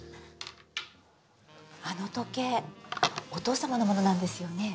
あの時計お父様のものなんですよね。